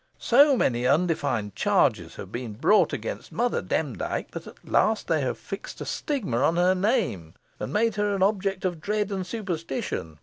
So many undefined charges have been brought against Mother Demdike, that at last they have fixed a stigma on her name, and made her an object of dread and suspicion.